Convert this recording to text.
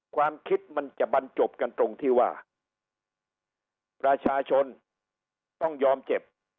ความคิดมันจะบรรจบกันตรงที่ว่าประชาชนต้องยอมเจ็บ